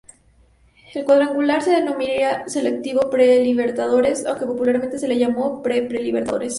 El cuadrangular se denominaría "Selectivo Pre-Libertadores", aunque popularmente se le llamo "Pre-Pre Libertadores".